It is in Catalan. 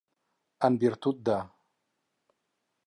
En virtut de.